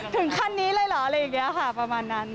ถึงขั้นนี้เลยเหรออะไรอย่างนี้ค่ะประมาณนั้น